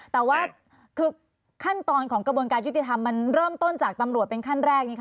แต่ว่าคือขั้นตอนของกระบวนการยุติธรรมมันเริ่มต้นจากตำรวจเป็นขั้นแรก